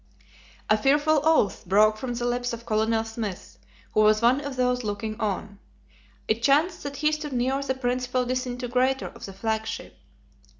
A fearful oath broke from the lips of Colonel Smith, who was one of those looking on. It chanced that he stood near the principal disintegrator of the flagship.